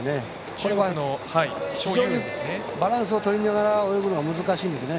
これはバランスを取りながら泳ぐのが難しいんですよね。